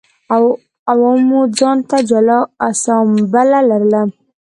عوامو ځان ته جلا اسامبله لرله.